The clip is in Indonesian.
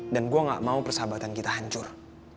dan gue gak mau persahabatan kita hancur